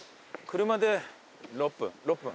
車で６分？